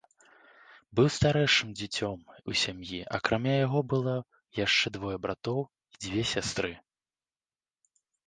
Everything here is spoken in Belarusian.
Быў старэйшым дзіцем у сям'і, акрамя яго было яшчэ двое братоў і дзве сястры.